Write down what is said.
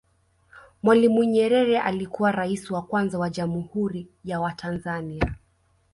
Mwalimu Nyerere alikuwa Rais wa kwanza wa Jamhuri ya wa Tanzania